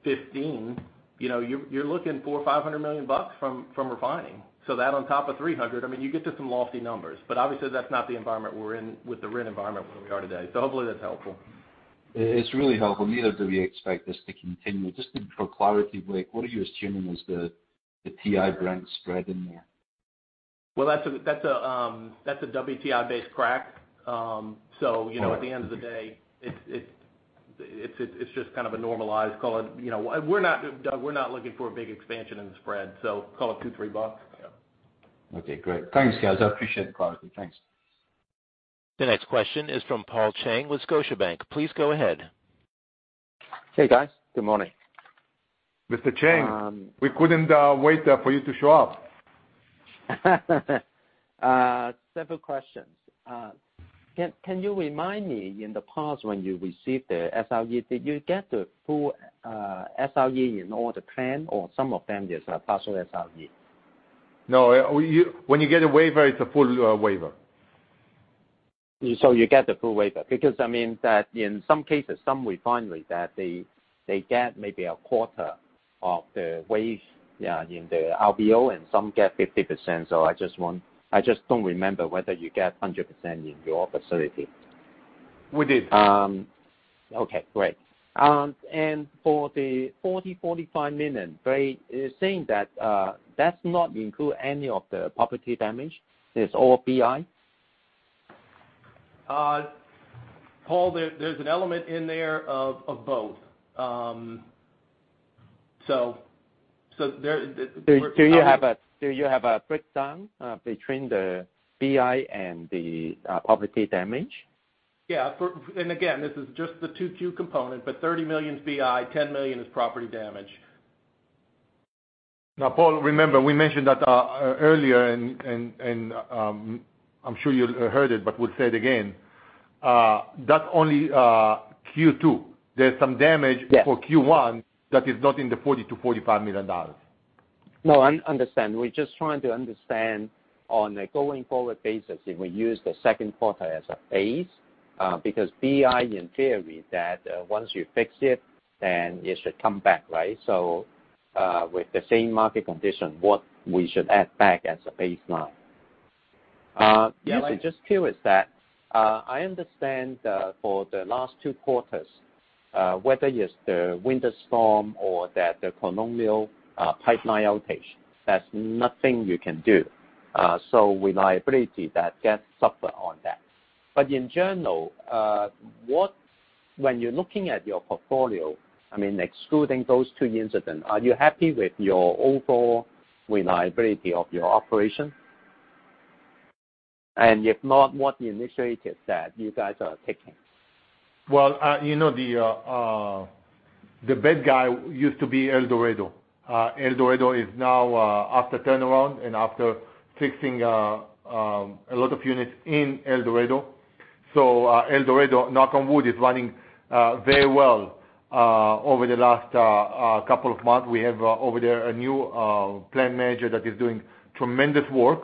$15, you're looking $400 million-$500 million from refining. That on top of $300, you get to some lofty numbers. Obviously, that's not the environment we're in with the RIN environment where we are today. Hopefully that's helpful. It's really helpful. Neither do we expect this to continue. Just for clarity, Blake, what are you assuming is the WTI-Brent spread in there? Well, that's a WTI-based crack. All right. At the end of the day, it's just kind of a normalized. We're not looking for a big expansion in the spread, so call it $2 or $3. Yeah. Okay, great. Thanks, guys. I appreciate the clarity. Thanks. The next question is from Paul Cheng with Scotiabank. Please go ahead. Hey, guys. Good morning. Mr. Cheng. We couldn't wait for you to show up. Several questions. Can you remind me, in the past when you received the SRE, did you get the full SRE in all the plant or some of them there's a partial SRE? No. When you get a waiver, it's a full waiver. You get the full waiver. In some cases, some refinery that they get maybe a quarter of the waiver in the RVO and some get 50%. I just don't remember whether you get 100% in your facility. We did. Okay, great. For the $40 million-$45 million, Blake is saying that does not include any of the property damage. It's all BI? Paul, there's an element in there of both. Do you have a breakdown between the BI and the property damage? Yeah. Again, this is just the 2Q component, but $30 million is BI, $10 million is property damage. Now, Paul, remember we mentioned that earlier and I'm sure you heard it, but we'll say it again, that's only Q2. There's some damage. Yes. For Q1 that is not in the $40 million-$45 million. No, I understand. We're just trying to understand on a going forward basis if we use the second quarter as a base. BI in theory, that once you fix it, then it should come back, right? With the same market condition, what we should add back as a baseline? Yes. I'm just curious that I understand for the last two quarters, whether it's the winter storm or that the Colonial Pipeline outage, that's nothing you can do. Reliability that gets suffered on that. In general, when you're looking at your portfolio, excluding those two incidents, are you happy with your overall reliability of your operation? If not, what initiatives that you guys are taking? The bad guy used to be El Dorado. El Dorado is now after turnaround and after fixing a lot of units in El Dorado. El Dorado, knock on wood, is running very well over the last couple of months. We have over there a new plant manager that is doing tremendous work.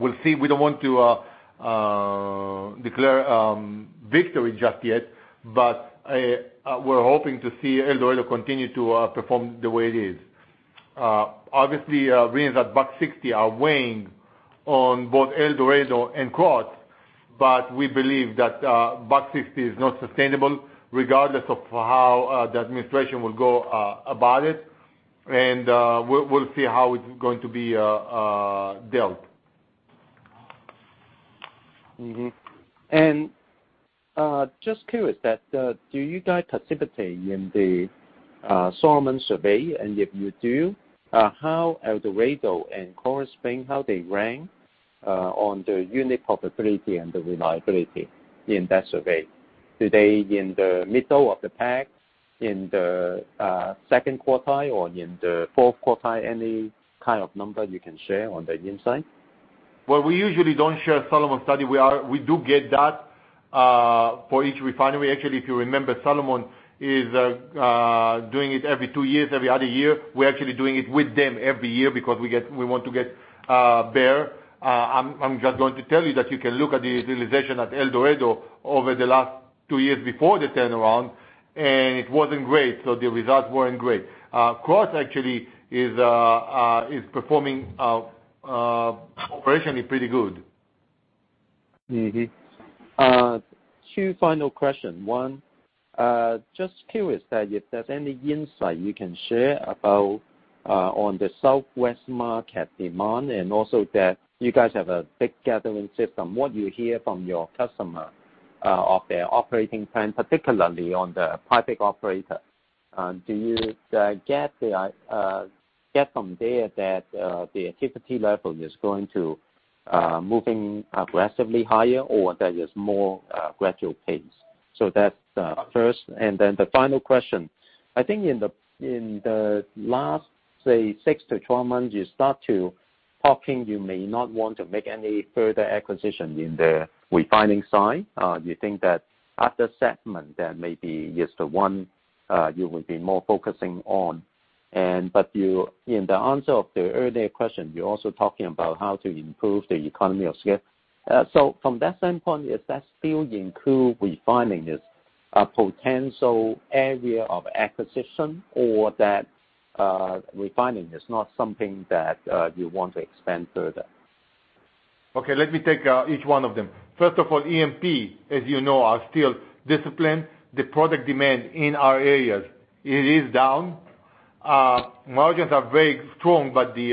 We'll see. We don't want to declare victory just yet, but we're hoping to see El Dorado continue to perform the way it is. Obviously, RINs at $1.60 are weighing on both El Dorado and Krotz, but we believe that $1.60 is not sustainable regardless of how the administration will go about it. We'll see how it's going to be dealt. Mm-hmm. Just curious that, do you guys participate in the Solomon survey? If you do, how El Dorado and Krotz Springs, how they rank on the unit profitability and the reliability in that survey? Do they in the middle of the pack, in the second quartile or in the fourth quartile? Any kind of number you can share on the inside? Well, we usually don't share Solomon study. We do get that for each refinery. Actually, if you remember, Solomon is doing it every two years, every other year. We're actually doing it with them every year because we want to get better. I'm just going to tell you that you can look at the utilization at El Dorado over the last two years before the turnaround, and it wasn't great, so the results weren't great. Krotz actually is performing operationally pretty good. Mm-hmm. Two final questions. One. Just curious that if there's any insight you can share about on the Southwest market demand and also that you guys have a big gathering system. What you hear from your customer of their operating plan, particularly on the private operator. Do you get from there that the activity level is going to moving aggressively higher or there is more gradual pace? That's first. Then the final question. I think in the last, say, 6-12 months, you start to talking you may not want to make any further acquisition in the refining side. Do you think that after segment, that maybe is the one you would be more focusing on? In the answer of the earlier question, you're also talking about how to improve the economy of scale. From that standpoint, is that still include refining as a potential area of acquisition or that refining is not something that you want to expand further? Okay. Let me take each one of them. First of all, E&P, as you know, are still disciplined. The product demand in our areas, it is down. Margins are very strong, but the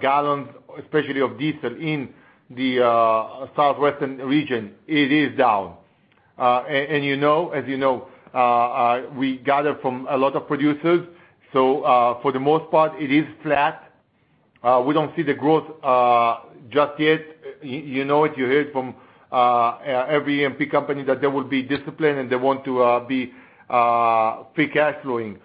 gallons, especially of diesel in the southwestern region, it is down. As you know, we gather from a lot of producers. For the most part, it is flat. We don't see the growth just yet. You know it, you heard from every E&P company that they will be disciplined, and they want to be free cash flowing.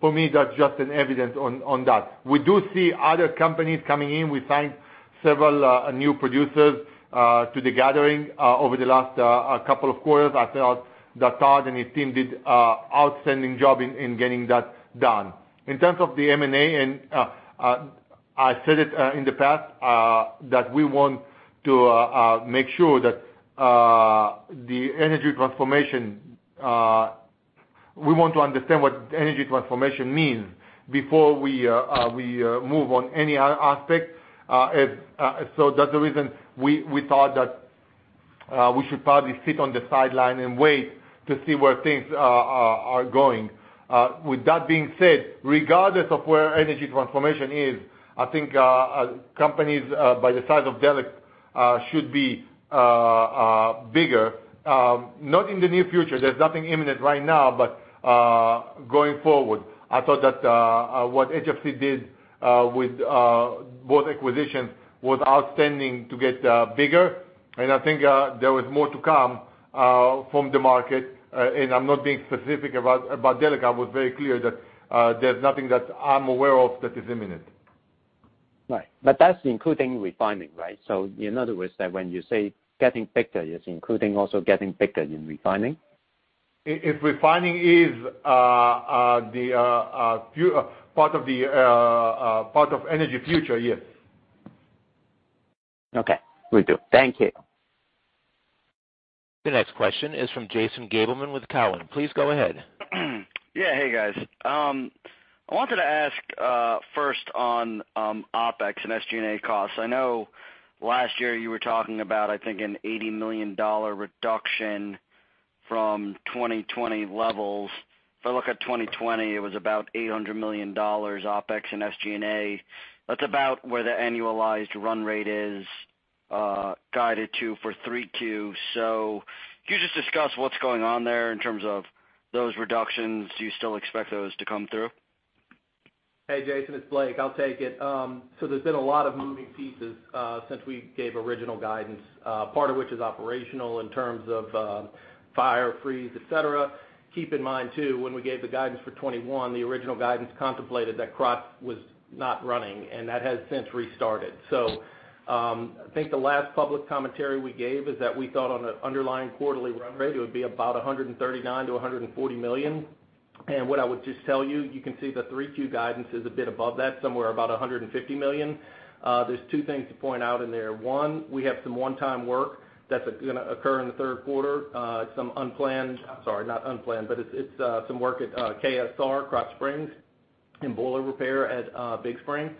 For me, that's just an evidence on that. We do see other companies coming in. We signed several new producers to the gathering over the last couple of quarters. I thought Todd O'Malley and his team did outstanding job in getting that done. In terms of the M&A, I said it in the past, that we want to make sure that the energy confirmation. We want to understand what energy transformation means before we move on any aspect. That's the reason we thought that we should probably sit on the sideline and wait to see where things are going. With that being said, regardless of where energy transformation is, I think companies by the size of Delek should be bigger. Not in the near future. There's nothing imminent right now but going forward. I thought that what HFC did with both acquisitions was outstanding to get bigger, and I think there was more to come from the market. I'm not being specific about Delek. I was very clear that there's nothing that I'm aware of that is imminent. Right. That's including refining, right? In other words, that when you say getting bigger, it's including also getting bigger in refining? If refining is part of energy future, yes. Okay. Will do. Thank you. The next question is from Jason Gabelman with Cowen. Please go ahead. Yeah. Hey, guys. I wanted to ask first on OpEx and SG&A costs. I know last year you were talking about, I think, an $80 million reduction from 2020 levels. If I look at 2020, it was about $800 million OpEx and SG&A. That's about where the annualized run rate is guided to for 3Q. Can you just discuss what's going on there in terms of those reductions? Do you still expect those to come through? Hey, Jason, it's Blake. I'll take it. There's been a lot of moving pieces since we gave original guidance, part of which is operational in terms of fire, freeze, et cetera. Keep in mind too, when we gave the guidance for 2021, the original guidance contemplated that Krotz was not running, and that has since restarted. I think the last public commentary we gave is that we thought on an underlying quarterly run rate, it would be about $139 million-$140 million. What I would just tell you can see the 3Qguidance is a bit above that, somewhere about $150 million. There're two things to point out in there. One, we have some 1x work that's gonna occur in the third quarter, I'm sorry, not unplanned, but it's some work at KSR, Krotz Springs, and boiler repair at Big Spring.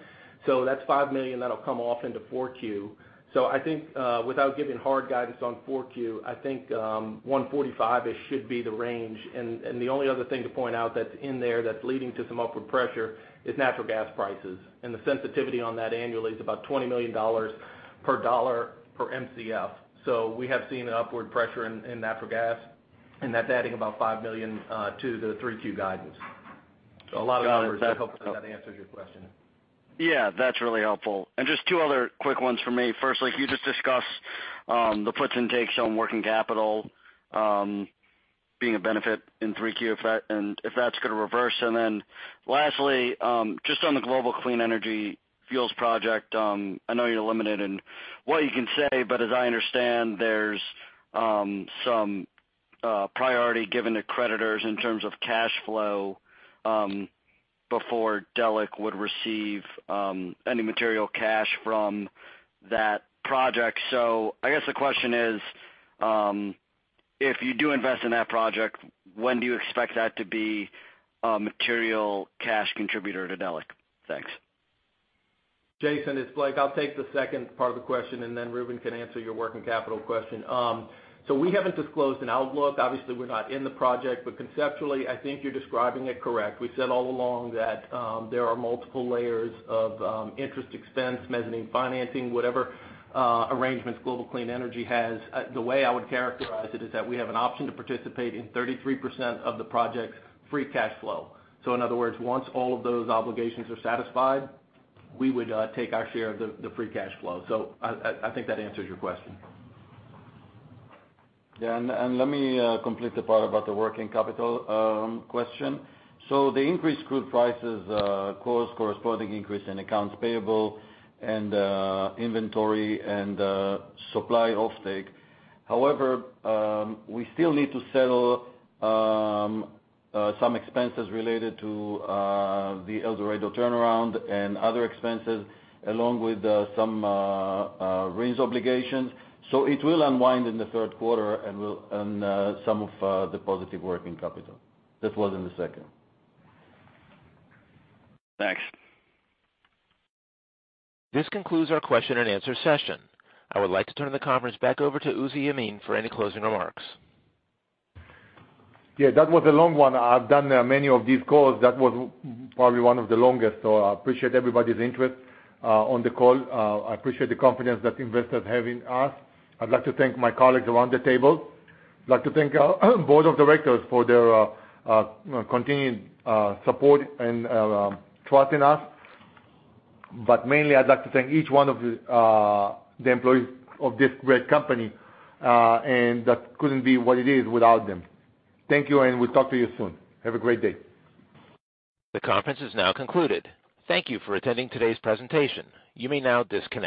That's $5 million that'll come off into four Q. I think, without giving hard guidance on four Q, I think, $145-ish should be the range. The only other thing to point out that's in there that's leading to some upward pressure is natural gas prices. The sensitivity on that annually is about $20 million per dollar per MCF. We have seen an upward pressure in natural gas, and that's adding about $5 million to the 3Q guidance. A lot of numbers. I hope that answers your question. Yeah, that's really helpful. Just two other quick ones for me. First, like you just discussed the puts and takes on working capital being a benefit in 3Q, and if that's going to reverse. Lastly, just on the Global Clean Energy Fuels project. I know you're limited in what you can say, but as I understand, there's some priority given to creditors in terms of cash flow before Delek would receive any material cash from that project. I guess the question is, if you do invest in that project, when do you expect that to be a material cash contributor to Delek? Thanks. Jason, it's Blake. I'll take the second part of the question, and then Reuven can answer your working capital question. We haven't disclosed an outlook. Obviously, we're not in the project, but conceptually, I think you're describing it correct. We said all along that there are multiple layers of interest expense, mezzanine financing, whatever arrangements Global Clean Energy has. The way I would characterize it is that we have an option to participate in 33% of the project's free cash flow. In other words, once all of those obligations are satisfied, we would take our share of the free cash flow. I think that answers your question. Let me complete the part about the working capital question. The increased crude prices cause corresponding increase in accounts payable and inventory and supply offtake. However, we still need to settle some expenses related to the El Dorado turnaround and other expenses, along with some RINs obligations. It will unwind in the third quarter and some of the positive working capital that was in the second. Thanks. This concludes our question and answer session. I would like to turn the conference back over to Uzi Yemin for any closing remarks. Yeah, that was a long one. I've done many of these calls. That was probably one of the longest, so I appreciate everybody's interest on the call. I appreciate the confidence that investors have in us. I'd like to thank my colleagues around the table. I'd like to thank our board of directors for their continued support and trust in us. Mainly, I'd like to thank each one of the employees of this great company, and that couldn't be what it is without them. Thank you, and we'll talk to you soon. Have a great day. The conference is now concluded. Thank you for attending today's presentation. You may now disconnect.